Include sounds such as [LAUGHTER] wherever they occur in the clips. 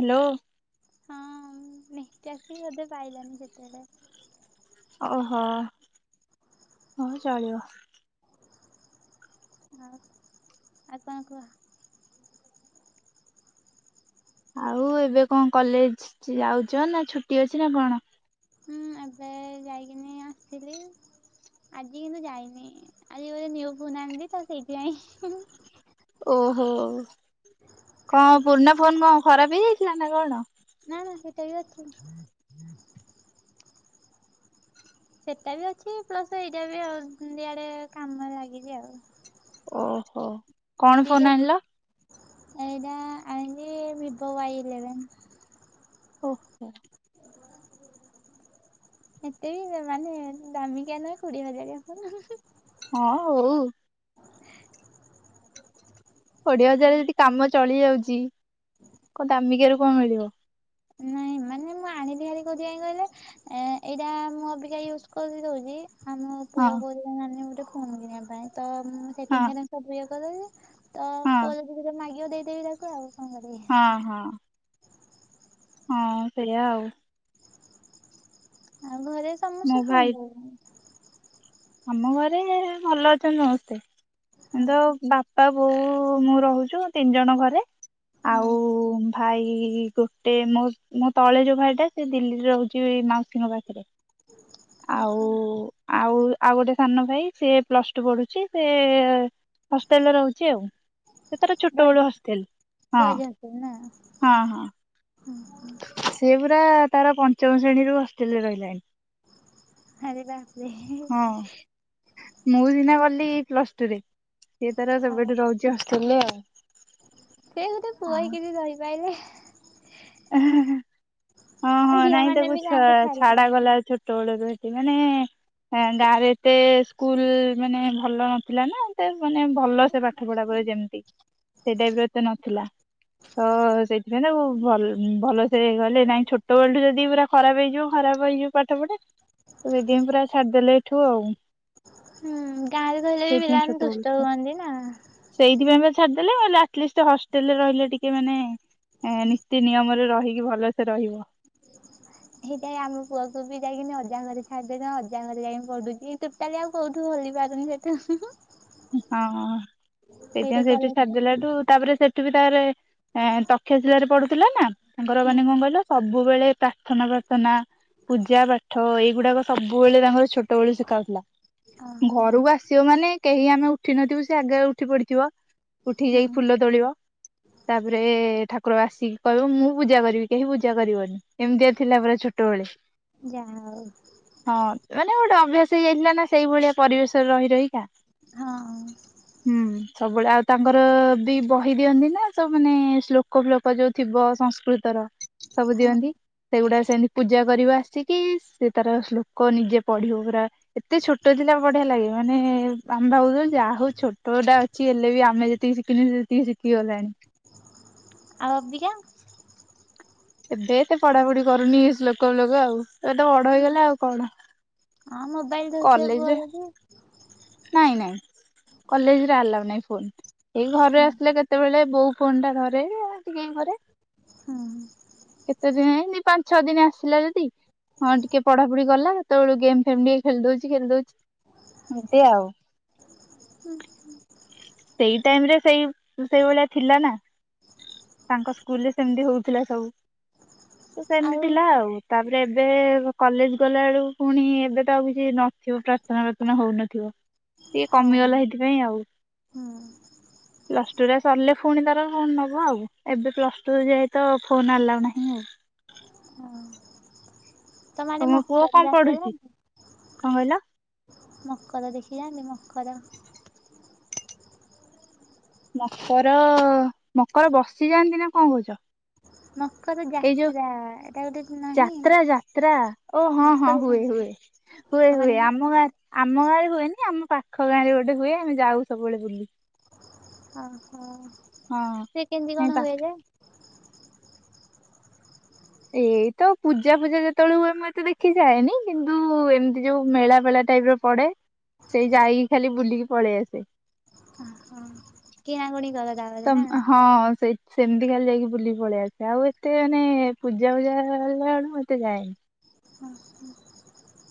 Hello. ହଁ network ବି ବଧେ ପାଇଲାନି ସେଥିପାଇଁ। ଓହୋ ହଉ ଚଳିବ। ଆଉ ଆଉ କଣ କୁହ? ଆଉ ଏବେ କଣ କଲେଜ ଯାଉଚ ନା ଛୁଟି ଅଛି ନା କଣ? ହୁଁ ଏବେ ଯାଇକିନି ଆସିଥିଲି। ଆଜି କିନ୍ତୁ ଯାଇନି ଆଜି ଗୋଟେ ନିଉ ଫୋନ ଆଣିଲିତ ସେଇଥିପାଇଁ ହୁଁ ହୁଁ। ଓହୋ କଣ ପୁରୁଣା ଫୋନ କଣ ଖରାପ ହେଇଯାଇଥିଲା ନା କଣ? ନା ନା ସେଟା ବି ଅଛି। ସେଟା ବି ଅଛି ପ୍ଲସ୍ ଏଇଟା ବି ଆଉ ଦିଆଡ଼େ କାମରେ ଲାଗିଚି ଆଉ। ଓହୋ। କଣ ଫୋନ ଆଣିଲ? ଏଇଟା ଆଣିଲି ଭିଭୋ ୱାଇ ଇଲେଭେନ। ଓଃ ହୋ। ଏତେ ମାନେ ଦାମିକିଆ ନୁହେଁ କୋଡିଏ ହଜାରିଆ [UNINTELLIGIBLE] ହଁ ହୋଉ। କୋଡିଏ ହଜାର ଯଦି କାମ ଚଳି ଯାଉଚି କଣ ଦାମିକିଆରୁ କଣ ମିଳିବ। ନାଇଁ ମାନେ ମୁଁ ଆଣିଲି ହାରି କଉଥି ପାଇଁ କହିଲେ। ଏ ଏଇଟା ମୁଁ ଅବିକା ୟୁଜ୍ କରି ଦଉଜି ଆମ ହଁ ପୁଅ କହୁଚି ନାନୀ ଗୋଟେ ଫୋନ୍ କିଣିବା ପାଇଁ ତ ମୁଁ ହଁ ସେଟିଙ୍ଗ ହେରା ସବୁ ଇଏ କରିଦଉ ତ ହଁ କଲେଜ [UNINTELLIGIBLE] ମାଗିବ ଦେଇଦେବି ତାକୁ ଆଉ କଣ କରିବି। ହଁ ହଁ। ହଁ ସେଇଆ ଆଉ। ଆଉ ଘରେ ମୋ ସମସ୍ତେ ଭାଇ କଣ [UNINTELLIGIBLE] ଆମ ଘରେ ଭଲ ଅଛନ୍ତି ସମସ୍ତେ ଏନ୍ ହଁ ଦ ବା ବାପା ବୋଉ ମୁଁ ରହୁଚୁ ତିନି ଜଣ ଘରେ। ଆଉ ହଁ ଭାଇ ଗୋଟେ ମୋ ମୋ ତଳେ ଯୋଉ ଭାଇ ଟା ସେ ଦିଲ୍ଲୀରେ ରହୁଚି ମାଉସୀଙ୍କ ପାଖେରେ ଆଉ ହଁ ଆଉ ଆଉ ଗୋଟେ ସାନ ଭାଇ ସେ ପ୍ଲସ ଟୁ ପଢୁଛି ସେ ହଷ୍ଟଲେରେ ରହୁଛି ଆଉ। ସେ ତାର ଛୋଟବେଳୁ ବଏଜ ହଷ୍ଟେଲେ ହଁ ବଏଜ ହଁ ହଁ। ହୁଁ। ସେ ପୁରା ତାର ପଞ୍ଚମ ଶ୍ରେଣୀରୁୁ ହଷ୍ଟ୍ରେଲ୍ ରେ ରହିଲାଣି। ଆରେ ବାପରେ ହେ ହେ ହଁ ମୁଁ ସିନା ଗଲି ପ୍ଲସ ଟୁରେ ସିଏ ତାର ଆଉ ସେବେଠୁ ରହୁଚି ହଷ୍ଟେଲ୍ ରେ ଆଉ। ସେ ଗୋଟେ ପୁଅ ହେଇକି ଜଦି ରହି ପାଇଲେ ଏ ହେ ହେ ହଁ ହଁ ଝିଅ ନାଇଁ ମାନେ ତାକୁ ବି ଛ ଗାଁକୁ ଛାଡି ଛାଡା ପାରନ୍ତି ଗଲା ଛୋ ତଳ ର ଏଟି ମାନେ ଆଁ ଗାଁରେ ଏତେ ସ୍କୁଲ ମାନେ ଭଲ ନଥିଲା ନା ଏତେ ମାନେ ଭଲ ସେ ପାଠ ପଢା [UNINTELLIGIBLE] ଯେମିତି ସେଇ ଟାଇପ ର ଏତେ ନଥିଲା ତ ସେ [UNINTELLIGIBLE] ଭଲ ଭଲସେ ଗଲେ ନାଇଁ ଛୁ ଛୋଟବେଳଠୁ ଯଦି ପୁରା ଖରାପ ହେଇଯିବ ଖରାପ ହେଇଯିବ ପାଠ ପଢା। [UNINTELLIGIBLE] ପୁରା ଛାଡି ଦେଲେ ଏଇଠୁ ଆଉ। ହୁଁ ଗାଁରେ ରହିଲେ ବି ସେଇଥିପାଇଁ ପିଲାମାନେ ଛୋଟ ଦୁଷ୍ଟ ବେଳଠୁ ହୁଅନ୍ତି ନା। ସେଇଥିପାଇଁ ବା ଛାଡିଦେଲେ। ଆଟଲିଷ୍ଟ ହଷ୍ଟେଲରେ ରହିଲେ ଟିକେ ମାନେ ନୀତି ନିୟମରେ ରହିକି ଭଲସେ ରହିବ। ହେଇଥିପାଇଁ ଆମ ପୁଅକୁ ବି ଯାଇକିନି ଅଜା ଘରେ ଛାଡି ଦେଇଚୁ ଅଜା ଘରେ ଯାଇକି ପଡୁଛି। କାଲି ଆଉ କଉଠୁ ହଲି ପାରୁନି ସେଠୁ। ହଁ ସେଇଠି ସେଥିପାଇଁ ସେଇଠୁ କଲେଜ ଛାଡିଦେଲାଠୁ ତାପରେ ସେଠୁବି ତାରେ ତକ୍ଷ୍ୟ ଶିଳାରେ ରେ ପଢଡୁଥିଲା ନା ତାଙ୍କର ହୁଁ ମାନେ କଣ କହିଲ ସବୁବେଳେ ପ୍ରାର୍ଥନା ପ୍ରାର୍ଥନା ପୂଜା ପାଠ ଏଇଗୁଡାକ ସବୁବେଳେ ତାଙ୍କର ଛୋଟ ଛୋଟବେଳୁ ଶିଖାହଉଥିଲା। ଓହୋ ଘରକୁ ଆସିବ ମାନେ କେହି ଆମେ ଉଠି ନଥିବୁ। ସେ ଆଗରେ ଉଠି ପଡିଥିବ ଉଠି ଯାଇ ହୁଁ ଫୁଲ ତୋଳିବ। ତାପରେ ଠାକୁର ଆସିକି କହିବ ମୁଁ ପୂଜା କରିବି କେହି ପୂଜା କରିବନି ଏମିତିଆ ଥିଲା ବେଳେ ଛୋଟ ଟଳେ ଯାହାହଉ। ହଁ ମାନେ ଗୋଟେ ଅଭ୍ୟାସ ହେଇଯାଇଥିଲା ନା ସେଇଭଳିଆ ପରିବେଶରେ ରହି ରହିକା। ହଁ। ହୁଁ ସବୁବେଳେ ଆଉ ତାଙ୍କର ବି ବହି ଦିଅନ୍ତି ନା ସବୁ ମାନେ ଶ୍ଳୋକ ଫ୍ଲୋକ ଯୋଉ ଥିବ ସଂସ୍କୃତର ସବୁ ହଁ ହଁ ଦିଅନ୍ତି। ସେଗୁଡା ସେମିତି ପୂଜା କରିବ ଆସିକି ସେ ତାର ଶ୍ଲୋକ ନିଜେ ପଢିବ ପୁରା ଏତେ ଛୋଟ ଥିଲା ବଢିଆ ଲାଗେ। ମାନେ ଆମ ଭାବୁଥିଲୁ ଯାହା ହଉ ଛୋଟଟା ଅଛି ହେଲେ ବି ଆମେ ଯେତିକି ଶିଖିନୁ ସିଏ ସେତିକି ଶିଖିଗଲାଣି। ଆଉ ଅବିକା? ଏବେ ଏତେ ପଢାପଢି କରୁନି ଏ ଶ୍ଳୋକ ବ୍ଲୋକ ଆଉ ଏବେ ତ ବଡ ହେଇଗଲା ଆଉ କଣ। ହଁ ମୋବାଇଲ ଧରିଥିବେ ପୁଅ କଲେଜରେ ଯଦି। ନାଇଁ ନାଇଁ କଲେଜରେ ଆଲାଉ ନାଇଁ ଫୋନ। ଏଇ ଘରେ ହୁଁ ଆସିଲେ କେତେବେଳେ ବୋଉ ଫୋନଟା ଧରେ ଟିକେ ଏଇ ଘରେ। ହୁଁ। କେତେ ଦିନ ପାଞ୍ଚ ଛଅ ଦିନ ଆସିଲା ଯଦି ହଁ ଟିକେ ପଢାପଢି କଲା କେତେବେଳୁ ଗେମ୍ ଫେମ୍ ଟିକେ ଖେଳି ଦଉଛି ଖେଳି ଦଉଛି ଏମତି ଆଉ। ହୁଁ ହୁଁ। ସେଇ ଟାଇମ ରେ ସେଇ ସେଇଭଳିଆ ଥିଲା ନା। ତାଙ୍କ ସ୍କୁଲରେ ସେମିତି ହଉଥିଲା ସବୁ ସେମିତି ଥିଲା ଆଉ। ତାପରେ ଏବେ କଲେଜ ଗଲା ଏଳକୁ ପୁଣି ଏବେ ତ ଆଉ କିଛି ନଥିବ ପ୍ରାର୍ଥନା ପ୍ରାର୍ଥନା ହଉନଥିବ। ଟିକେ ହଁ କମିଗଲା ହେଇଥିପାଇଁ ଆଉ। ହୁଁ। ପ୍ଲସଟୁ ରେ ସରିଲେ ପୁଣି ତାର ଫୋନ ନବ ଆଉ। ଏବେ ପ୍ଲସ ଟୁ ଯାଏ ତ ଫୋନ ଆଲାଉ ନାହିଁ ଆଉ। ହଁ ତମ ଆଡ଼େ ପୁଅ ମକର କଣ ଯାତ୍ରା ପଢୁଛି ଯାଆନ୍ତି? କଣ କହିଲ ମକର ଦେଖିିଯାନ୍ତି ମକର! ମକର ମକର ବସିଯାଆନ୍ତି ନା କଣ କହୁଛ? ମକର ଏଇ ଯୋଉ ଯାତ୍ରା ଏଟା ଗୋଟେ ନାହିଁ ଯାତ୍ରା ଯାତ୍ରା ଓ ହଁ ହଁ ମକର ହୁଏ ଯାତ୍ରା ହୁଏ। ହୁଏ ତମ ହୁଏ ଆଡେ ଆମ ଗାଁରେ ଆମ ଗାଁରେ ହୁଏନି ଆମ ପାଖ ଗାଁରେ ଗୋଟେ ହୁଏ ଆମେ ଯାଉ ସବୁବେଳେ ବୁଲି। ଓ ହୋ ହଁ ସେ କେମିତି କଣ ପା ହୁଏ ଯେ? ଏଇତ ପୂଜା ଫୁଜା ଯେତେବେଳେ ହୁଏ ମୁଁ ଏତେ ଦେଖିଯାଏନି। କିନ୍ତୁ ଏମିତି ଯୋଉ ମେଳା ବେଳା ଟାଇପ ର ପଡେ ସେଇ ଯାଇକି ଖାଲି ବୁଲିକି ପଳେଇ ଆସେ। ହଁ କିଣାକୁୁଣି କର ତ ତାପରେ ନା। ହଁ ସେଇଠୁ। ସେମିତି ଖାଲି ଯାଇକି ବୁଲିକି ପଳେଇ ଆସେ ଆଉ ଏତେ ମାନେ ପୂଜା ଫୁଜା ହେଲା ବେଳୁ ମୁଁ ଏତେ ଯାଏନି। ହଁ ହଁ।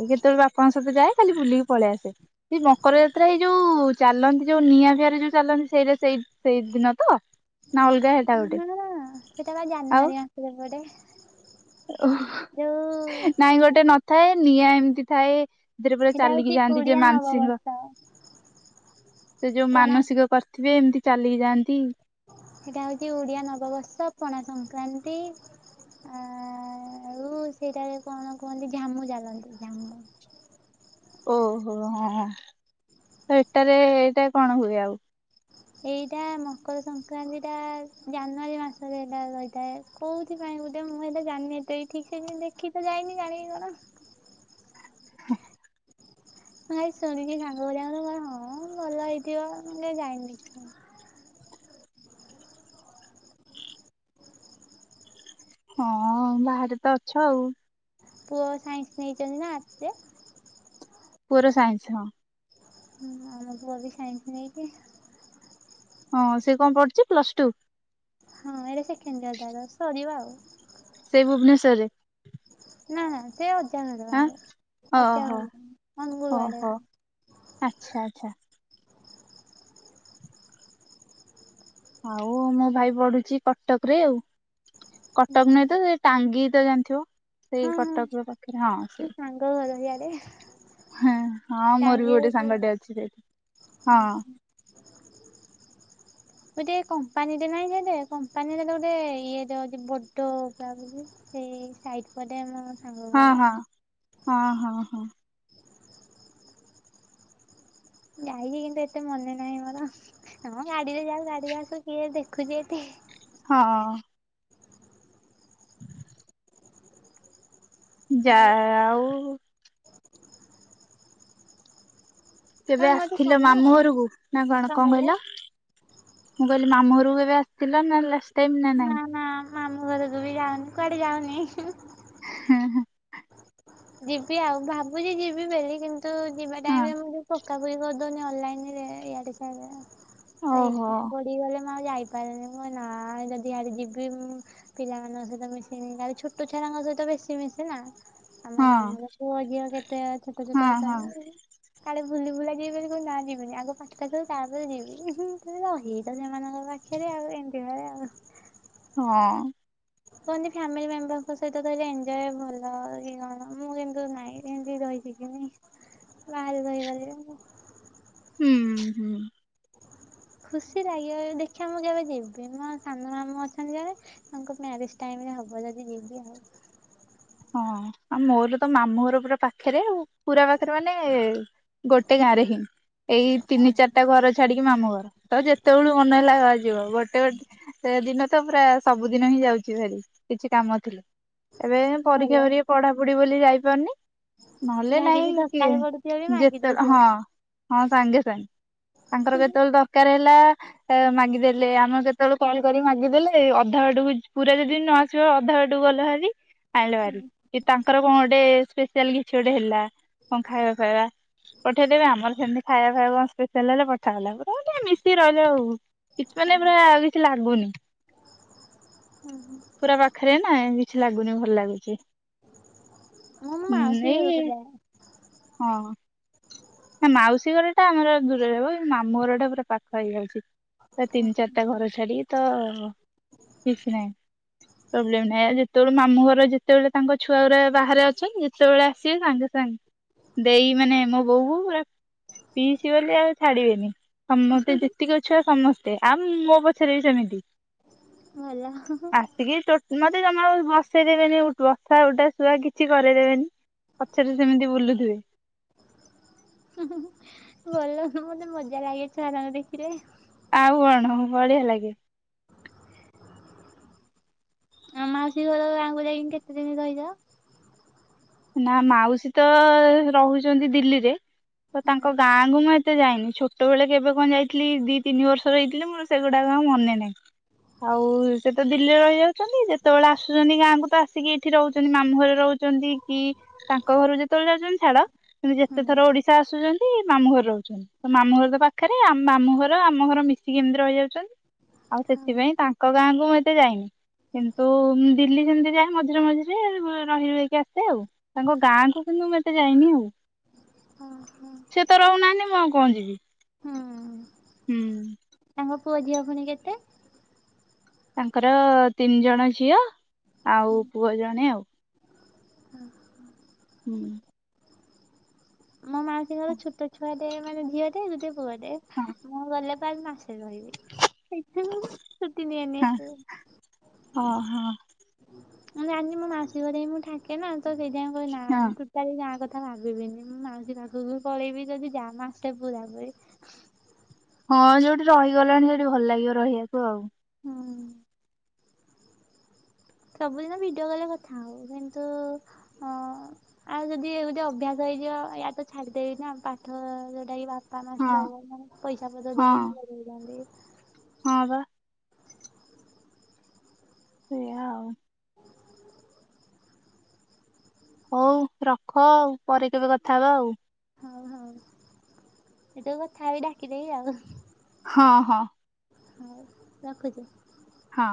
କେତେବେଳେ ବାପାଙ୍କ ସହିତ ଯାଏ ଖାଲି ବୁଲିକି ପଳେଇ ଆସେ। ସେଇ ମକର ଯାତ୍ରା ଏଇ ଯୋଉ ଚାଲନ୍ତି ଯୋଉ ନିଆଁ ଫିଆଁରେ ଯୋଉ ଚାଲନ୍ତି ସେଇଟା ସେଇ ସେଇଦିନ ତ? ନା ଅଲଗା ହେଟା ଗୋଟେ। ନା ସେଟା ବା ଆଉ ଜାନୁଆରୀ ମାସରେ ପଡେ। ଯୋଉ କଣ? ଥାଏ ନିଆଁ ଏମିତି ଥାଏ। ଜେବେ ପରା ସେଇଟା ଚାଲିକି ହଉଛି ଯାଆନ୍ତି ଯେ ଓଡିଆ ମାନସିକ ନବବର୍ଷ ସେ ଯୋଉ ପଣା ମାନସିକ କ? ଥିବେ ଏମିତି ଚାଲିଯାଆନ୍ତି। ସେଟା ହଉଛି ଓଡ଼ିଆ ନବବର୍ଷ ପଣା ସଂକ୍ରାନ୍ତି ଆ ଆଉ ସେଇଟାରେ କଣ କୁହନ୍ତି ଝାମୁ ଚାଲନ୍ତି ଝାମୁ। ଓହୋ ହଁ ତ ଏଟାରେ ଏଇଟା କଣ ହୁଏ ଆଉ। ଏଇଟା ମକର ସଂକ୍ରାନ୍ତିଟା ଜାନୁଆରୀ ମାସରେ ହେଟା ରହିଥାଏ। କୋଉଥି ପାଇଁ ଗୋଟେ ମୁଁ ଏ ତ ଜାଣିନି ଏତେ ବି ଠିକ ସେ ଦେଖି ତ ଯାଇନି ଜାଣି କଣ। ମୁଁ ଆଗେ ଶୁଣିକି ସାଙ୍ଗ କରିବାଙ୍କ କଣ ହଁ ଭଲ ହେଇଥିବ ଯାଇନି ଦେଖିବାକୁ। ହଁ ବାହାରେ ତ ଅଛ ଆଉ। ପୁଅ ସାଇନ୍ସ ନେଇଛନ୍ତି ନା ଆର୍ଟସରେ ପୁଅର ସାଇନ୍ସ ହଁ। ହୁଁ ଆମ ପୁଅବି ସାଇନ୍ସ ନେଇଛି। ହଁ ସେ କଣ ପଡୁଛି ପ୍ଲସ ଟୁ! ହଁ ଏଇଟା ସେକେଣ୍ଡ ଇଅର୍ ତାର ସରିବା ଆଉ। ସେ ଭୁବନେଶ୍ୱରରେ। ନା ସେ ଅଜା ଘର ଆଁ ଆଡେ ଅଜା ଓହୋ ଅନୁଗୁଲୁ ଆଡେ। ଓହୋ ଆଚ୍ଛା ଆଚ୍ଛା। ଆଉ ମୋ ଭାଇ ପଢୁଛି କଟକ ରେ ଆଉ ହୁଁ କଟକ ନୁହେଁତ ସେ ଟାଙ୍ଗି ତ ଜାଣିଥିବ। ସେଇ ହଁ ହଁ କଟକର ପାଖରେ ହଁ ମୋ ଶାଙ୍ଗ ଘର ସିଆଡେ। ହଁ ହଁ ମୋର ବି ଗୋଟେ ସାଙ୍ଗ ଟେ ଅଛି ସେଇଠି। ହଁ ହ। ଗୋଟେ କମ୍ପାନୀଟେ ନାଇଁ ସିଆଡେ କମ୍ପାନୀରେ ଗୋଟେ ଇଏଟେ ଅଛି ବଡ ସେଇ ସାଇଟ୍ ପଟେ ମୋ ସାଙ୍ଗ ହଁ ଘର। ହଁ ହଁ ହଁ ହଁ। ଯାଇଛି କିନ୍ତୁ ଏତେ ମନେ ନାହିଁ ମୋର ହଁ ଗାଡିରେ ଯାଉ ଗାଡିରେ ଆସୁ କିଏ ଦେଖୁଛି ଏତେ। ହଁ। ଯା ଆଉ ଆଉ କେବେ ତମେ ମୋଠୁ ଆସିଥିଲ ସାନ ମାମୁଁ ଘରକୁ। ନାଁ କଣ କଣ କହିଲ? ମୁଁ କହିଲି ମାମୁଁରୁ କେବେ ଆସିଥିଲ ନା ଲାସ ନାଁ ନାଁ ମାମୁଁ ଘରକୁ ବି ଯାଉନି କୁଆଡେ ଯାଉନି। ହୁଁ ହୁଁ। ଯିବି ଆଉ ଭାବୁଛି ଯିବି ବୋଲି କିନ୍ତୁ ଯିବା ହଁ ଟାଇମରେ ମୁଁ ଯ [UNINTELLIGIBLE] ଓହୋ ଆଉ ଯାଇପାରନି ମୁଁ ନାଁ ଯଦି ଆଜି ଯିବି ମୁଁ ପିଲାମାନଙ୍କ ସହିତ ମିଶିନି ଖାଲି ଛୋଟ ଛୁଆଙ୍କ ସହିତ ବେଶୀ ମିସେନା। ଆମ ହଁ ମାମୁଁ ର ପୁଅ ଝିଅ କେତେ ଛୋଟ ଛୋଟ ହଁ ହଁ ଅଛନ୍ତି? କାଳେ ବୁଲି ବୁଲା ଯିବନି କହିଁ ନା ଯିବିନି ଆଗ ପାଠ ଟା ସରୁ ତାପରେ ଯିବି ରହି ତ ସେମାନଙ୍କର ପା ଖିରୀ ଆଗରୁ ଏମିତି ହୁଏ। ହଁ। କୁହନ୍ତି ଫ୍ୟାମିଲି ମେମ୍ବରଙ୍କ ସହିତ କହିଲେ ଏଜଏ ଭଲ କି କଣ ମୁଁ କିନ୍ତ୍ ନାଇଁ ଏମିତି ରହିଛି। ବାହାର ବହିଗଲେ ମୁଁ ହୁଁ ହୁଁ। ଖୁସି ଲାଗିବ ଦେଖିବା ମୁଁ କେବେ ଯିବି ମୋ ସାନ ମାମୁଁ ଅଛନ୍ତି ଇଆଡେ। ତାଙ୍କ ମ୍ୟାରେଜ୍ ଟାଇମ୍ ରେ ହବ ଯଦି ଯିବି ଆଉ। ହଁ ଆଉ ମୋର ତ ମାମୁଁ ଘର ପୁରା ପାଖରେ ଆ ପୁରା ପାଖରେ ମାନେ ଗୋଟେ ଗାଁରେ ହିଁ। ଏଇ ତିନି ଚାରିଟା ଘର ଛାଡିକି ମାମୁ ଘର, ତ ଯେତେବେଳୁ ମନେ ହେଲା ଯିବ ଗୋଟେ ଗୋଟେ ସେ ଦିନ ତ ପୁରା ସବୁଦିନ ହିଁ ଯାଉଛି ଭାରି, କିଛି କାମ ଥିଲେ ଏବେ ପରୀକ୍ଷା ଭଲ କର ପଢାପଢି ବୋଲି ଯାଇପାରୁନି, ନହେଲେ ଯାହା କିଛି ନାଇଁ କିଏ ଦରକାର ପଡୁଥିବ ବି ମାଗି ଯେତେବେଳେ ଦଉଥିବ। ହଁ। ହଁ ସାଙ୍ଗେ ସାଙ୍ଗେ ତାଙ୍କର କେତେବେଳେ ଦରକାର ହେଲା ମାଗିଦେଲେ ଆମ କେତେବେଳେ କଲ୍ କରିକି ମାଗିଦେଲେ ଅଧା ବାଟକୁ ପୁରା ଯଦି ନ ଛୁଆ ଅଧା ଟୁ ଗଲ ହାରି ଆଣିଲ ହାରି, କି ତାଙ୍କର କଣ ଗୋଟେ ସ୍ପେଶାଲ କିଛି ଗୋଟେ ହେଲା କ ଖାଇବା ଖାଇବା ପଠେଇଦେବେ, ଆମର ସେମିତି ଖାଇବା ବା କଣ ସ୍ପେଶାଲ ହେଲେ ପଠା ହେଲା ପ ଟିକ ମିଶି ରହିଲ ଆଉ। କିଛି ମାନେ ପୁରା ଆଉ କିଛି ଲାଗୁନି ପୁରା ପାଖ ପାଖରେ ନା କିଛି ଲାଗୁନି ଭଲ ଲାଗୁଛି। ମୁଁ ମୋ ହଁ ମାଉସୀ ଘରକୁ ଏଇ ଯାଏ ହଁ। ନା ମାଉସୀ ଘର ଟା ଆମର ଦୂରରେ ହବ ମାମୁ ଘର ଟା ପୁରା ପାଖ ହେଇଯାଉଛି ହଁ ତିନି ଚାରିଟା ଘର ଛାଡି ତ କିଛି ନାହିଁ। ପ୍ରୋବ୍ଲେମ ନାହିଁ ଆଉ ଯେତେବେଳେ ମାମୁ ଘର ଯେତେବେଳେ ତାଙ୍କ ଛୁଆ ଘା ବାହାରେ ଅଛନ୍ତି ଯେତେବେଳେ ଆସିବେ ତାଙ୍କେ ସାଙ୍ଗ ଦେଇ ମାନେ ମୋ ବୋଉ କୁ ପୁରା ପିଇସି ଗଲେ ଆଉ ଛାଡିବେନି ସମସ୍ତେ ଯେ ଯେତିକ ଛୁଆ ସମସ୍ତେ ଆଉ ମୋ ପଛରେ ବି ସେମିତି ଭଲ। ଟିକି ତ ମତେ ଜମାରୁ ବସେଇ ଦେେବେନି ବସା ଉଟା ଶୁଆ କିଛି କରାଇଦେବେନି ପଛରେ ସେମିତି ବୁଲୁଥିବେ। ଭଲ ମତେ ମଜା ଲାଗେ ଛୁଆ ରାଙ୍କୁ ଦେଖିରେ ଆଉ କଣ ହ ବଢିଆ ଲାଗେ। ଆ ମାଉସୀ ଘର ଆଙ୍ଗୁ ଯାଇକି କେତେ ଦିନ ରହିଯାଅ? ନା ମାଉସୀ ତ ରହୁଛନ୍ତି ଦିଲ୍ଲୀରେ ତ ହଁ ତାଙ୍କ ଗାଁ ତାଙ୍କୁ ମୁଁ ଏତେ ଯାଇନି ଛୋଟବେେଳେ କେବେ କଣ ଯାଇଥିଲି ଦି ତିନିର୍ଷ ହେଇଥିଲେ ମୋର ସେଗୁଡାକ ମନେ ନାହିଁ। ଆଉ ସେ ତ ଦିଲ୍ଲୀରେ ରହି ଯାଉଚି। ଆଛନ୍ତି ଯେତେବେଳେ ଆସୁଛନ୍ତି ଗାଁକୁ ତ ଆସିକି ଏଇଠି ରହୁଛନ୍ତି ମାମୁଁ ଘରେ ରହୁଛନ୍ତି। କି ତାଙ୍କ ଘରୁ ଯେତେବେଳେ ଯାଉଛନ୍ତି ଛାଡ କିନ୍ତୁ ହଁ ଯେତେ ଥର ଓଡିଶା ଆସୁଛନ୍ତି ମାମୁଁ ଘରେ ରହୁଛନ୍ତି। ତ ମାମୁଁ ଘର ତ ପାଖରେ ମାମଁ ଘର ଆମ ଘର ମିଶିକି ଏମିତି ରହିଯାଉଛନ୍ତି। ଆଉ ହଁ ସେଥିପାଇଁ ତାଙ୍କ ତାଙ୍କ ଗାଁକୁ ମୁଁ ଏତେ ଯାଇନି, କିନ୍ତୁ ଦିଲ୍ଲୀ ସେମିତି ଯାଏ ମଝିରେ ମଝିରେ ରହି ରୁହାକି ଆସେ। ଏତେ ଆଉ, ତାଙ୍କ ଗାଁକୁ କିନ୍ତୁ ମୁଁ ଏତେ ଯାଇନି ଆଉ। ହଁ ହଁ। ସେ ତ ରହୁନାହାଁନ୍ତି ମୁଁ ଆଉ କଣ ଯିବି। ହୁଁ। ହୁଁ। ତାଙ୍କ ପୁଅ ଝିଅ ପୁଣି କେତେ? ତାଙ୍କର ତିନି ଜଣ ଝିଅ ଆଉ ପୁଅ ଜଣେ ଆଉ। ହ ହ ହୁଁ। ମୋ ମାଉସୀଙ୍କର ହଁ ଛୋଟ ଛୁଆଟେ ମାନେ ଝିଅ ଟେ ଗୋଟେ ପୁଅଟେ ମୁଁ ଗଲେ ପୁରା ମାସେ ରହିବି। ସେଇ [UNINTELLIGIBLE] ଛୁଟି ନିଏନି ହଁ ଏତେ। ଓହୋ। ମୁଁ ଜାଣିଛି ମୋ ମାଉସୀ ଘରେ ହିଁ ମୁଁ ଠାକେ ନାଁ ତ ସେଇଥିପାଇଁ ମୁଁ କହେ ହଁ ନା ଟୋଟାଲି ଗାଁ କଥା ଭାବିବିନି ମୁଁ ମାଉସୀ ପାଖକୁ ପଳେଇବି ଯଦି ଯା ମାସେ ପୁରାପୁରି। ହଁ ଯୋଉଠି ରହିଗଲଣି ସେଇଠି ଭଲ ଲାଗିବ ରହିବାକୁ ଆଉ। ହୁଁ। ସବୁଦିନ ଭିଡ଼ିଓ କଲ୍ ରେ କଥା ହୋଉ କିନ୍ତୁ ଆଉ ଯଦି ଗୋଟେ ଅଭ୍ୟାସ ହେଇଯିବ ୟା ତ ଛାଡିଦେବି ନା ପାଠ ଯୋଉଟା କି ପାଠ ହଁ ନଷ୍ଟ ହବ ନା ପଇସା ପତ୍ର ହଁ ଦେଇକି ପଢୋଉଛନ୍ତି। ହଁ ବା। ସେଇୟା ଆଉ। ହୋଉ ରଖ ପରେ କେବେ କଥା ହବା ଆଉ। ହଉ ହଉ। [UNINTELLIGIBLE] ଡାକି ଦେବି ଆଉ। ହଁ ହଁ। ହଉ ରଖୁଛି। ହଁ।